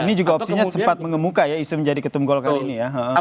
ini juga opsinya sempat mengemuka ya isu menjadi ketum golkar ini ya